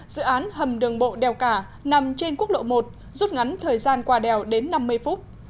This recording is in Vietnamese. dự án hầm đường bộ đèo cả nằm trên quốc lộ một rút ngắn thời gian qua đèo đến năm mươi phút